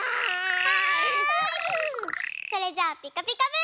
それじゃあ「ピカピカブ！」。